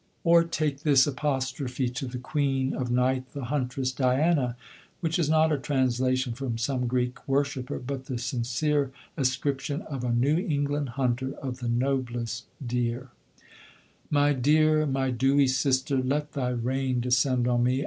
Or take this apostrophe to the "Queen of Night, the Huntress Diana," which is not a translation from some Greek worshipper, but the sincere ascription of a New England hunter of the noblest deer: "My dear, my dewy sister, let thy rain descend on me!